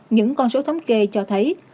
những con số thống kê cho thấy